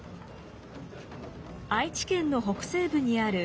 愛知県の北西部にある清須市。